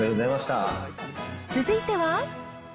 続いては。